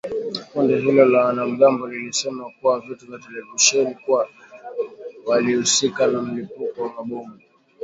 Kundi hilo la wanamgambo lilisema kwenye vituo vya televisheni kuwa walihusika na mlipuko wa mabomu